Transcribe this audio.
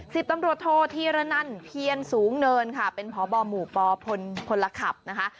สิบตำรวจโทษธีระนันเพียรสูงเนินค่ะเป็นพบหมู่ปพลพลขับนะคะ